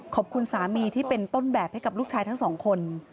ขอบคุณสามีที่เป็นต้นแบบให้กับลูกชายทั้งสองคน